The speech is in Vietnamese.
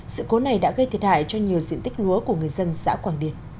sự cố này đã gây thiệt hại cho nhiều diện tích lúa của người dân xã quảng điền